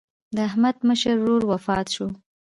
د احمد مشر ورور وفات شو.